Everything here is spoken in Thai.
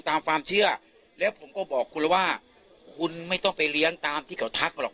ตามความเชื่อแล้วผมก็บอกคุณแล้วว่าคุณไม่ต้องไปเลี้ยงตามที่เขาทักมาหรอก